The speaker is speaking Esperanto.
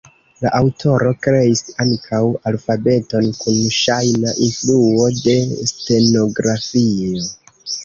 La aŭtoro kreis ankaŭ alfabeton kun ŝajna influo de stenografio.